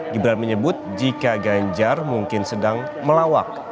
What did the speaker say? gibran menyebut jika ganjar mungkin sedang melawak